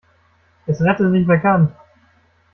Es rette sich, wer kann.